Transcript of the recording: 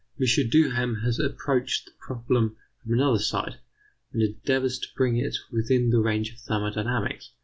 M. Duhem has approached the problem from another side, and endeavours to bring it within the range of thermodynamics.